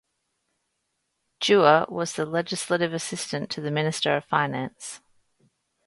Dewar was the Legislative Assistant to the Minister of Finance.